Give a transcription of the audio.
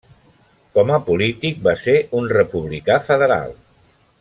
Com a polític va ser un republicà federal.